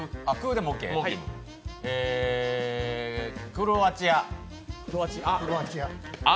クロアチア。